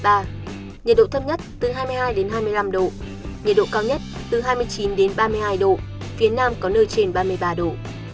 nhiệt độ thấp nhất từ hai mươi hai đến hai mươi năm độ nhiệt độ cao nhất từ hai mươi chín đến ba mươi hai độ phía nam có nơi trên ba mươi ba độ